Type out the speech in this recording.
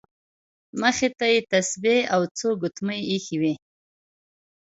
مخې ته یې تسبیح او څو ګوتمۍ ایښې وې.